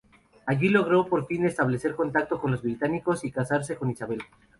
Allí logró por fin establecer contacto con los británicos y casarse con Isabel.